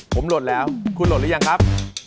ผมหล่นแล้วคุณหลดหรือยังครับ